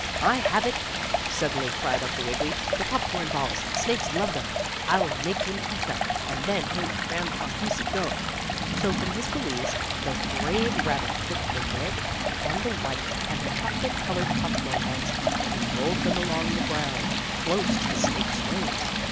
"I have it!" suddenly cried Uncle Wiggily. "The popcorn balls. Snakes love them! I'll make him eat them, and then he'll let Grandpa Goosey go." So from his valise the brave rabbit took the red and the white and the chocolate colored popcorn balls, and he rolled them along the ground, close to the snake's nose.